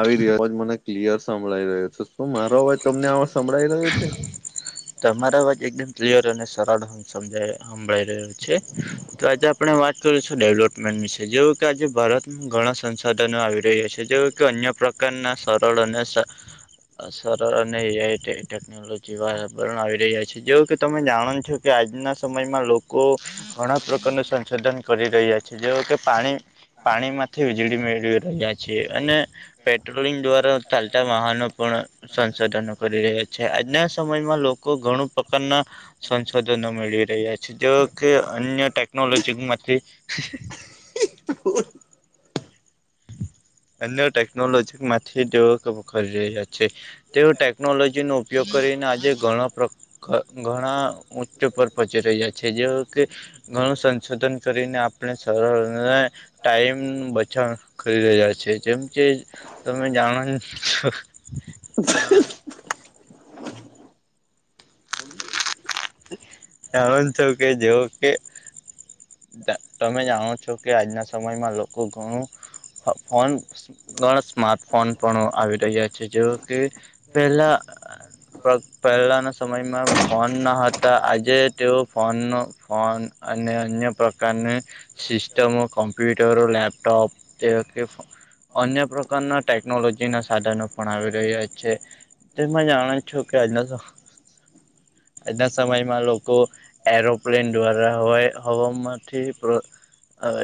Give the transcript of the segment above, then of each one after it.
આવી રીયો અવાજ મને ક્લિયર સંભળાઈ રહ્યો છે શું મારો અવાજ તમને આ સંભળાઈ રહ્યો છે? તમારા અવાજ એકદમ ક્લિયર અને સરળ સમજાય સંભળાઈ રહ્યો છે. તો આજે આપણે વાત કરી છું ડેવલોપમેન્ટ વિશે જેવું કે આજે ભારતમાં ઘણા સંસાધનો આવી રહ્યા છે જે જો અન્ય પ્રકારના સરળ અને સરળ અને એઆઈ [unintelligible] લોજી વાતાવરણ આવી રહ્યા છે જોવો કે તમે જાણો છો કે આજના સમયમાં લો કો ઘણા પ્રકારના સંશોધન કરી રહ્યા જેવું કે પાણી પાણીમાંથી વિજળી મેળવી હ્યા છે અને પેટ્રોલિંગ દ્વારા ચાલતા વાહનો પણ સંશોધનો કરી રહ્યા છે આજના સમયમાં લોકો ઘણું પ્રકારના સંશોધનો મેળવી રહ્યા છે જે કે અન્ય ટેકનોલોજીમાંથી [unintelligible] અન્ય ટેકનોલોજી માંથી તેઓ કરી રહ્યા છે તેઓ ટેક નોલોજીનો ઉપયોગ કરીને આજે ઘણા પ્ર ઘણા ઊંચ પર પહોચી રહ્યા છે જેઓ કે ઘણું સંશોધન કરીને આપણે સરળને ટાઈમ બચણ કરી રહ્યા છે જેમ કે તમે જાણો છો. જાણો છો કે જેઓ કે. તમે જાણો છો કે આજના સમયમાં લોકો ઘણું હ ફોન ઘણા સ્માર્ટફોન પણ આવી રહ્યા છે જોઓ કે પેલા પ્ર પહેલાંના સમયમાં ફોન ના હતા આજે તેઓ ફોનનો ફોન અને અન્ય પ્રકારની સિસ્ટમો કમ્પ્યુટરો, લેપટોપ જેઓ કે અન્ય પ્રકારના ટેકનોલોજીના સાધનો પણ આવી રહ્યા છે. તેમાં જાણો છો કે આજના આજના સમયમાં લો કો એરોપ્લેન દ્વારા હોય હવામાંથી પ્ર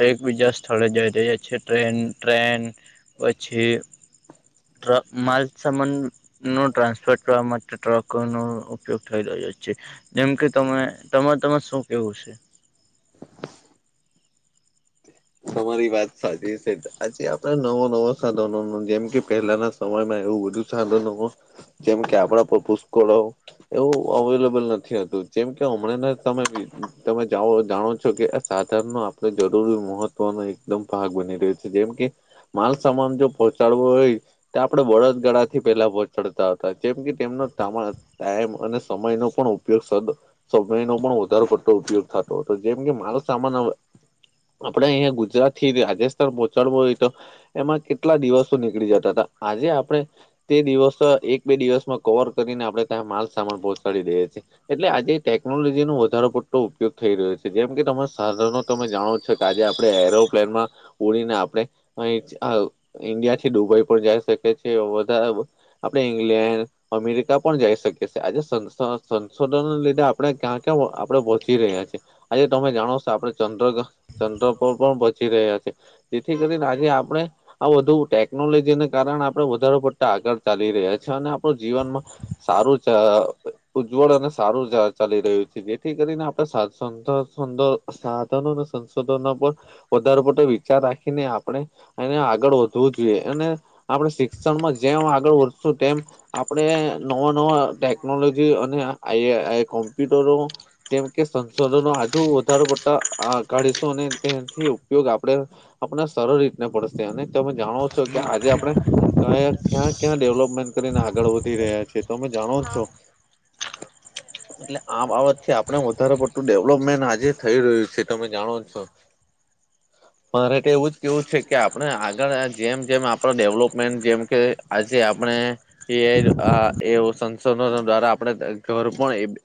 એક બીજા સ્થળે જઈ રહ્યા છે ટ્રેન ટ્રેન પછી ટ્રક માલ સામાન નો ટ્રાન્સપોર્ટ કરવા માટે ટ્રકોનો ઉપયોગ થઈ રહ્યો છે. જેમ કે તમે તમા તમા શું કેવું છે? તમારી વાત સાચી છે આજે આપડે નવો નવો સાધનો ન જેમ કે પહેલાના સમયમાં એવું બધું સાંધો નો જેમ કે આપડા પપુકળ એવું અવેલેબલ નથી હતું જેમ કે હમણાંને તમે તમે જાણો છો કે સાધાર ન આપણે જરૂરી મહત્વનો એકદમ ભાગ બની રહ્યો છે જેમ કે માલ સામાન જો પહચાડવો હોય તે આપડે બડદગાળ થી પેલા પહોંચડતા હતા જેમ કે તેમનો ટાઈમ અને સમય નો પણ ઉપયોગ સદ સમય નો પણ વધારો પડતો ઉપયોગ થતો હતો જેમ કે મારો સામાન આપડે અહીંયા ગુજરાત થી રાજસ્થાન પહોંચાડવું હોય તો એમાં કેટલા દિવસો નીકળી જતા હતા આજે આપણે તે દિવસ એક બે દિવસમાં કવર કરીને આપડણે ત્યા માલ સામાન પહોંચાડી દઈએ છીએ એટલે આજે ટેકનોલોજી નો વધારો પડતો ઉપયોગ થઈ રહ્યો છે જેમ કે તમારા સાધનો તમે જાણો છો આજે આપડે એરોપ્લેનમાં ઉડીને આપડણે અ ઇન્ડિયાથી ડુબઈ પણ જઈ શકે છે બધા આપડ ઇંગ્લેન્ડ અમેરિકા પણ જઈ શકીએી આજે સંશોધન લીધે આપણે ક્યાં ક્યાં આપડે વચી રહ્યા છીએ આજે તમે જાણો છો આપડે ચંદ્રગ ચંદ્ર પર પણ પચી રહ્યા છે તેથી કરીને આજે આપડણે આ બું ટેકનોલોજીને કારણે આપણે વધારારે પડતા આગળ ચાલી રહ્યા છી અને આપણ જીવનમાં સારું છે ઉજ્જવળ અને સારું ચાલી રહ્યું છે જેથી કરીને આપડેર સુંર સાધનો સં પર વધ વિચાર રાખીને આપણે એને આગળ વધવું જોઈએ અને આપડણે શિક્ષણમાં જેમ આગળ વધશું તેમ આપડે નવા નવા ટેકનોલોજી અને આ કોમ્પ્યુટરો કેમ કે સંશોધનો હજુ વધારે પડતા શ તેથી ઉપયોગ આપણે આપને સરળ રીતને પડશે અને તમે જાણો છો કે આજે આપણે કયા ક્યાં ક્યાં ડેવલપમેન્ટ કરીને આગળ વધી રહ્યા છે તમે જાણો છો એટલે આ બાબત થી આપડે વધારે પડતું ડેવલોપમેન્ટ આજે થઈ રહ્યું છે તમે જાણો છો મારે એવું જ કેવું છે કે આપણે આગળ જેમ જેમ આપણે ડેવલપમેન્ટ જેમ કે આજે આપણે એ એવ સંસદનો દ્વારા આપડ ઘર પણ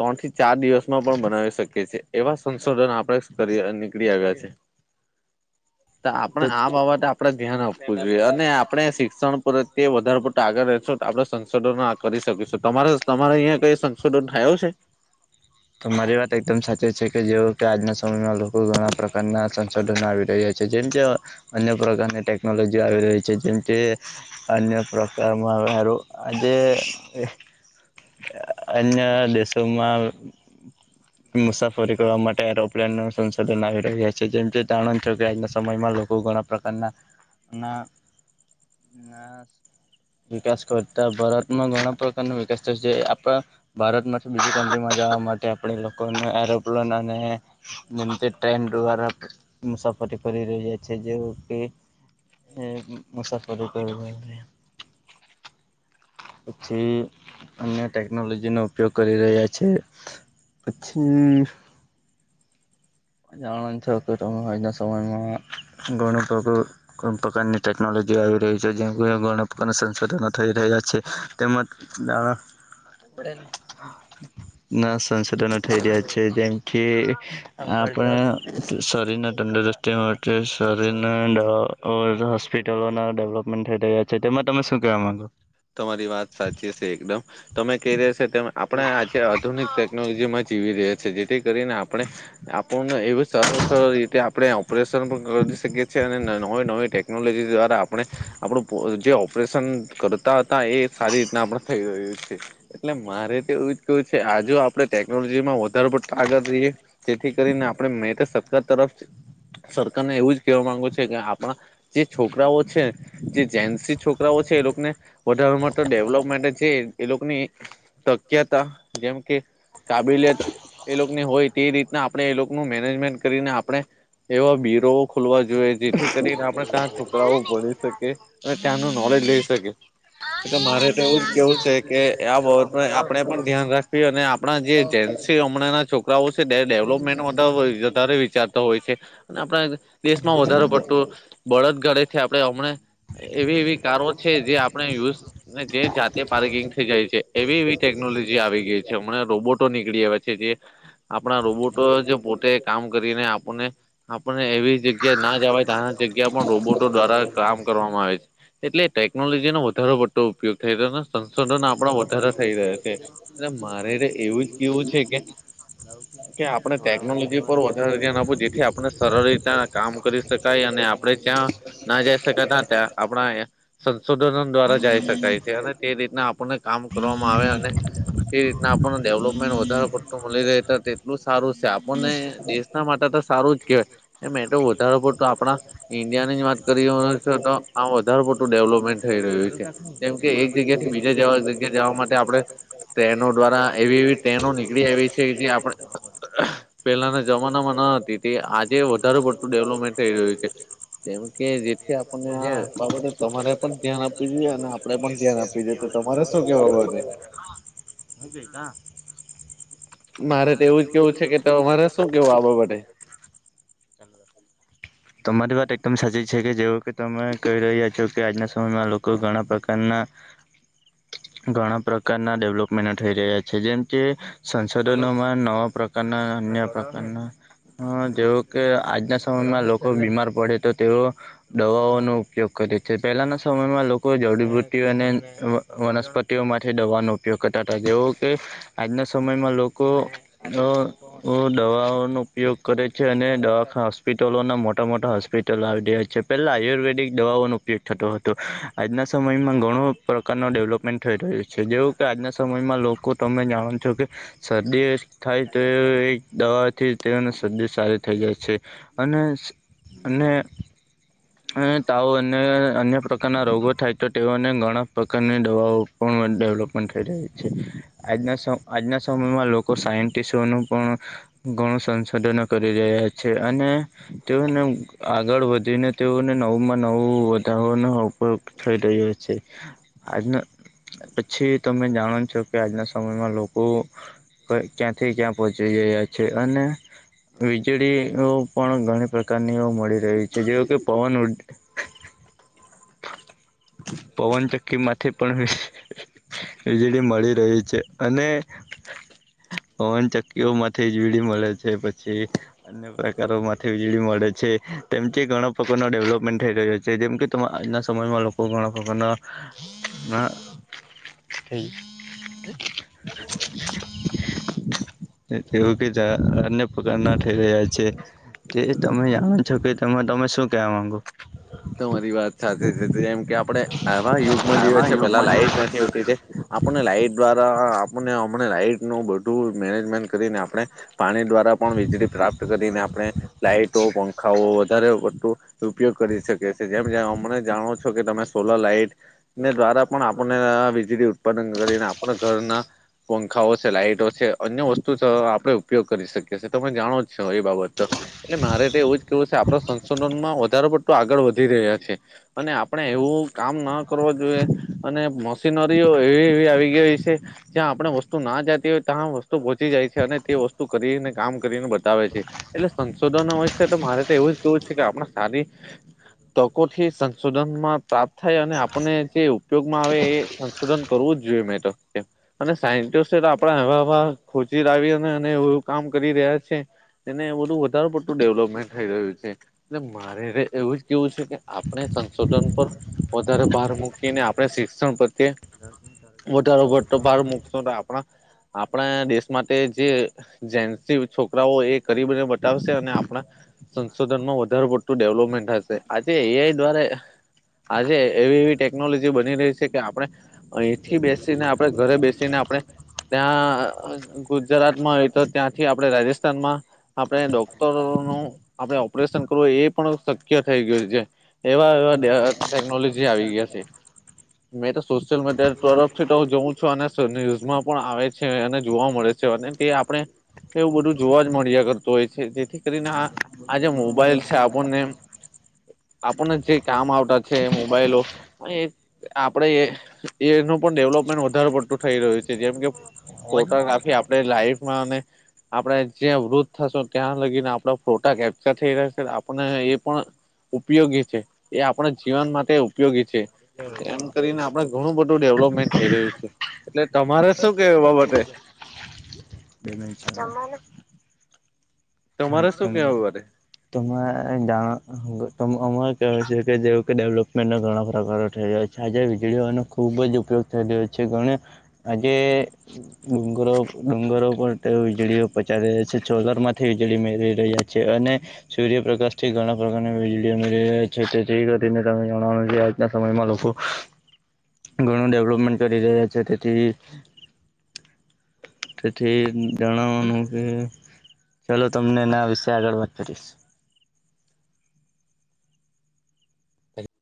ત્રણ થી ચાર દિવસમાં પણ બનાવી શકે છેએ એવા સં સડન આપડે કરી નીકળી આવ્યા છે તો આપણે આ બાબતે આપડે ધ્યાન આપવું જોઈએ અને આપણે શિક્ષણ પર તે વધારે પડતા આગળ રહેશ આપણે સંસદો કરી શકીશું તમારે તમારે અહં કઈ સંશોધન થાયું છે હ તો મારી વાત એકદમ સાચી છે કે જેઓ કે આજના સમયમાં લોકો ઘણા પ્રકારના સંશોધન આવી રહ્યા છે જેમ કે અન્ય પ્રકારની ટેકનોલોજી આવી રહી છે જેમ કે અન્ય પ્રકારમાં હારું આજે અન્ય દેશોમાં મુસાફરી કરવા માટે એરોપ્લેન આવી રહ્યા છે જેમ જે જાણ છો કે આજના સમયમાં લોકો ઘણા પ્રકારના ના ના વિકાસ કરતા ભારતમાં ઘણા પ્રકાર ન વિકાસ જે આપ ભારત માંથી બીજી કન્ટ્રીમાં જવા માટે આપણે લોકોને એરોપ્લેન અને જેમ ટ્રેન દ્વારા મુસાફરી કરી રહી જાય છે જવી મુસાફરી કરી અચછા અન્ય ટેકનોલોજીનો ઉપયોગ કરી રહ્યા છે પછી જાણવા છો કે તમે આજના સમયમાં ઘણું તોધ કો પ્રકારની ટેકનોલોજી આવી રહી છે જે ઘણા પ્રકારના સંશોધનો થઈ રહ્યા છે તેમજ ના ના સંશોધનો થઈ રહ્યા છે જેમ કે ણે શરીર ના તંદુરસ્તીમાં એટલે શરીરને ઓ હોસ્પિટલો ના ડેવલપમેન્ટ થઈ રહ ગયા છે તેમાં તમે શું કવા માંગો તમારી વાત સાચી છે એકદમ તમે ક ર્યા છે આપણે આજે આધુનિક ટેકનોલોજીમાં જીવી રહ્યા છ છે જેથી કરીને આપણે આપણને એવું સર સર રીતે આપણે ઓપરેશન પણ કરી શકીએ છીએ અને નવી નવી ટેકનોલોજી દ્વારા આપણે આપડું જે ઓપરેશન કરતા હતા એ સારી રીતના આપણે થઈ રહ્યું છે એટલે મારે તો એવું જ કેવું છે આજ આપડણે ટેકનોલોજી માં વધારે પડતા આગળ રહીએ જેથી કરીને આપણે મે તો સરકાર તરફ સરકારને એવું જ કેહેવા માંગુ છે કે આપણા જે છોકરાઓ છે જે જેન્ટસી છોકરાઓ છે એ લોકોને વધારે માટે ડેવલોપમેન્ટ છે એ લોકોની તક હતા જેમ કે કાબિલિયત એ લોકોની હોય તે રીતના આપણે એ લોકોનું મેનેજમેન્ટ કરીને આપણે એવા બીરો ખોલવા જોઈએ જેથી કરીને આપણે ત્યાં છોકરાઓ ભોણી શકીએ અને ત્યાંનું નોલેજ લઈ શકે એલે મારે તો એવું જ કેવું છે કે આ બાબત આપણે પણ ધ્યાન રાખવી અને આપણા જે જસ હમણાં ના છોકરાઓ છે ડેવલપમેન્ટ વધારે વિચારતો હોય છે અને આપણા દેશમાં વધારે પડતું બળદ ગડે છે આપણે હમણા એવી એવી કારો છે જે યુ ને જે જાતે પાર્કિંગ થઈ જાય છે એવી એવી ટેકનોલોજી આવી ગઈ છે હમણાં રોબોટો નીકળી આવવા છે જે આપણા રોબોટો જ પોતે કામ કરીને આપને આપને એવી જગ્યા ના જવાય ત જગ્યા પણ રોબોટો દ્વારા કામ કરવામાં આવે છે એટલે ટેકનોલોજી ન આપણા વધારે થઈ રહ્યા છે. એટલે મારે જ એવું કેવું છે કે કે આપણે થોડા વાગુ ટેકનોલોજી પર દેવાનું વધારે ધ્યાન આપવું જેથી આપણે સરળ રીતના કામ કરી શકાય અને આપણે જ્યાં ના જઈ શક ત ત્યાં આપણા સંશોધન દ્વારા જઈ શકાય છે અને તે રીતના આપણને કામ કરવામાં આવે અને તે રીતના આપણને ડેવલપમેન્ટ વધારે પડતું મળી રહે ત તેટલું સારું છે આપણને દેશ માટે તો સારું જ કહેવાય એ મે તો વધારે પડતો આપણા ઈન્ડિયા ની જ વાત કરી તો આ વધારેુ મોટું ડેવલોપમેન્ટ થઈ રહ્યું છે જેમ કે એક જગ્યા થી બીજા જ એક જગ્યા જવા માટે આપડણે ટ્રેનો દ્વારા એવીવી તેનો નીકળી આવી છે જે આપણે પેલાના જમાનામાં ન હતી તે આજે વધારેુ પડતું ડેવલપમેન્ટ થઈ રહ્યું છે જેમ કે જેથી અને આ બાબતે તમારે પણ ધ્યાન આપ અને આપડે પણ ધ્યાન આપી દેએ તો તમારે શું કેવાે હું ગઈ ક મારે તો એવું જ કેવું છે કે તમારે શું કેવું આ માટેડ તમારી વાત એકદમ સાચી છે કે જેવું કે તમે કહી રહ્યા છો કે આજના સમયમાં લોકો ઘણા પ્રકારના ઘણા પ્રકારના ડેવલોપમેન્ટ થઈ રહ્યા છે જેમ કે સંસાધનોમાં નવા પ્રકારના અન્ય પ્રકારના હા જેવુ કે આજના સમયમાં લોકો બીમાર પડે તો તેઓ દવાઓનો ઉપયોગ કરે છે પહેલાંના સમયમાં લોકો જડીબૂ્ટટી અને વનસ્પતિઓમાંથી દવાનો ઉપયોગ કરતા હતા જેવો કે આજના સમયમાં લોકો અ દવાઓ ન ઉપયોગ કરે છે અને દવાખાાસ હોસ્પિટલોના મોટા મોટા હોસ્પિટલો આવી ગયા છે પહેલાં આયુર્વેદિક દવાઓનો ઉપયોગ થતો હતો આજના સમયમાં ઘણો પ્રકારનો ડેવલપમેન્ટ થઈ રહ્યું છે જેવું કે આજના સમયમાં લોકો તમે જાણો છો કે સરર્દી થઠઈ થઈ દવાથી તેઓનું શરીર સારું થઈ જાય છે અને અને અને તાવ અને અન્ય પ્રકારના રોગો થાય તો તેઓને ઘણા પ્રકારની દવાઓ પણ ડેવલપમેન્ટ થઈ રહી છે આજના આજના સમયમાં લોકો સાયન્ટિસ્ટોનું પણ ઘણું સંશોધનો કરી રહ્યા છે અને તેઓને આગળ વધીને તેઓને નવ માં નવું વધારોનો ઉપયોગ થઈ રહ્યો છે આજનો પછી તમે જાણો છો કે આજના સમયમાં લોકો ક્યાંથી ક્યાં પહોંચી ગયા છે અને વીજળીઓ પણ ઘણી પ્રકારની મળી રહી છે જેવ કે પવન [inaudible] પવનચક્કીમાંથી પણ વીજળી મળી રહી છે અને પવનચક્કીઓમાંથી વીજળી મળે છે પછી અન્ય પ્રકારો માથી વીજળી મળે છે તેમથી ઘણા પ્રકારનો ડેવલોપમેન્ટ થઈ રહ્યો છે જેમ કે તો આજના સમયમાં લોકો ઘણા પ્રકારના ના થ [inaudible] એવું કધ અ્ય પગ ના થઈ રહ્યા છે તે તમે જાણો છો કે તમે શું કેવા માંગુ મારી વાત સાચી છે જેમ કે આપણે આવા યુગમાં જીએ છે પેલા લાઈટ નથી ઉઠી આપણને લાઈટ દ્વારા આપને હમને લાઈટ નું બધું મેનેજમેન્ટ કરીને આપણે પાણી દ્વારા પણ વીજળી પ્રાપ્ત કરીને આપણે લાાઈટો પંખાઓ વધારે વધું ઉપયોગ કરી શકે છે જેમ જે અમને જાણો છો કે તમે સોલર લાાઈટ દ્વારા પણ આપને વીજળી ઉત્પાદન કરીને આપણા ઘરના પંખાઓ છે લાાઈટો છે અન્ય વસ્તુ આપણે ઉપયોગ કરી શકીએીએ તમે જાણો જ છો એ બાબત એટલે મારે તો એવું જ કેવું છે આપણા સંશોધનમાં વધારો પડતું આગળ વધી રહ્યા છે અને આપણે એવું કામ ના કરવું જોઈએ અને મશીનરીઓ એવી એવી આવી ગઈ છે જ્યાં આપણે વસ્તુ ના જતી હોય ત્યાં પહોંચી જાય છે અને તે વસ્તુ કરીને કામ કરીને બતાવે છે એટલે સંશોધન હોય તો મારે તો એવું જ કેવું છે કે આપણા સારી તકોથી સંશોધનમાં પ્રાપ્ત થાય અને આપને જે ઉપયોગમાં આવે એ સંશોધન કરવું જ જોઈએ મેં તો અને સાયન્ટિસ્ટ આપણા હવા ખોજી લાવી અને એવુ કામ કરી રહ્યા છે એને બધું વધારે પડતું ડેવલપમેન્ટ થઈ રહ્યું છે એટલે મારે એવું કેવું આપણે સંશોધન પર વધારે ભાર મૂકીને આપણે શિક્ષણ પ્રત્યે વધારો પડતો ભાર મૂકશો આપણા આપણા દેશ માટે જે જેથી છોકરાઓ એ કરીબને બતાવશે અને આપણા સંશોધન માં વધારે પડતું ડેવલોપમેન્ટ હશે આજે એઆઈ દ્વારા આજે એવી એવી ટેકનોલોજી બની રહી છે કે આપણે અહીંથી બેસીને આપડે ઘરે બેસીને આપણે ત્યાં ગુજરાતમાં તો ત્યાંથી આપણે રાજસ્થાનમાં આપણે ડોક્ટરો નું આપણે ઓપરેશન કરવું એ પણ શક્ય થઈ ગયું છે એવા એવા ટેકનોલોજી આવી ગયા છે મેં તો સોશિયલ મીડિયા તરફથી તો હ જોઉં છું અને ન્યુઝમાં પણ આવે છે અને જોવા મળે છે. તે આપણે એવું બધું જોવા જ મળ્યા કરતું હોય છે જેથી કરીને આ આજે મોબાઈલ છે આપણને આપણને જે કામ આવતા છે મોબાઈલો એ આપડે એ એનું પણ ડેવલોપમેન્ટ વધારે પડતું થઈ રહ્યું છે જેમ કે. ફોટોગ્રાફી આપણે લાઈફમાં અને. આપડે જ્યાં વૃદ્ધ થશું ત્યાં લગીને આપણા ફોટા કેપ્ચર થઈ રહ છે આપને એ પણ. ઉપયોગી છે એ આપણા જીવન માટે ઉપયોગી છે. એમ કરીને આપડે ઘણું બધું ડેવલપમેન્ટ થઈ રહ્યું છે. એટલે તમારે શું કેવુ એ બાબતે. બે જ. [inaudible] તમારે શું હામ. કેવું બાબતે [inaudible] ત જાણ અરે કહેવાય છે કે જેવ કે ડેવલપમેન્ટ ઘણા પ્રકારો થઈ જાય છે. ચારજર વીજળીઓનો ખૂબ જ ઉપયોગ થઈ રહ્યો છે ઘળે આજે. ડુંગરો ડુંગરો પણ વીજળીઓ પચાવી રહ્યા છે છોલર માંથી. વીજળી મેળવી રહ્યા છે અને. સૂર્યપ્રકાશ થી ઘણા પ્રકારની વીજળી મળી છે તે કરીને ત જણનું છે. ના સમયમાં લોકો ઘણું ડેવલપમેન્ટ કરી રહ્યા છે તેથી. તેથી જણાવવાનું કે ચાલો તમને એના વિશે આગળ વાત કરીશ.